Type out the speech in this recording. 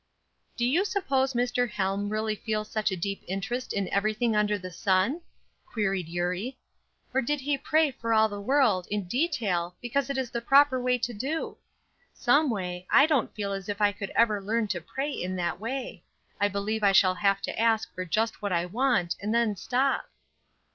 "Do you suppose Mr. Helm really feels such a deep interest in everything under the sun?" queried Eurie. "Or did he pray for all the world in detail because that is the proper way to do? Someway, I don't feel as if I could ever learn to pray in that way. I believe I shall have to ask for just what I want and then stop."